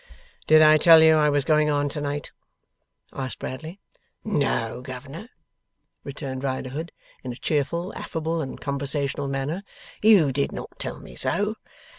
'Did I tell you I was going on to night?' asked Bradley. 'No, governor,' returned Riderhood, in a cheerful, affable, and conversational manner, 'you did not tell me so.